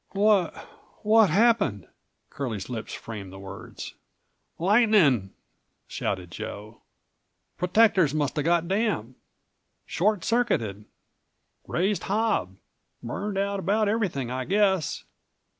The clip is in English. "Wha—what happened?" Curlie's lips framed the words. "Lightning," shouted Joe. "Protectors must have got damp. Short circuited. Raised hob. Burned out about everything, I guess."